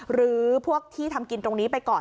หรือพวกที่ทำกินตรงนี้ไปก่อน